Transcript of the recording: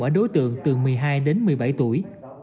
ở đối tượng từ một mươi hai đến một mươi bảy tuổi